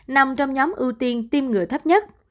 nằm trong nhóm ưu tiên tiêm ngừa thấp nhất